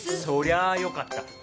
そりゃあよかった。